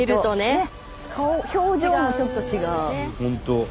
大きさもちょっと違う。